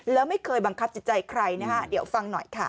แล้วไม่เคยบังคับจิตใจใครนะฮะเดี๋ยวฟังหน่อยค่ะ